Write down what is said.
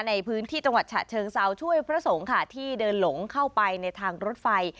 ในพื้นที่จังหวัดฉะเชิงเซาช่วยพระสงฆ์ค่ะที่เดินหลงเข้าไปในทางรถไฟ